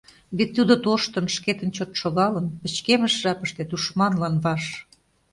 Вет тудо тоштын, шкетын чот шогалын Пычкемыш жапыште тушманлан ваш.